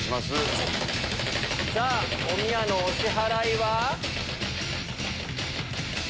さぁおみやのお支払いは。